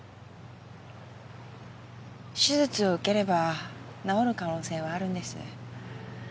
手術を受ければ治る可能性はあるんです。